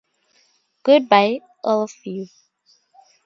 Good-by, all of you.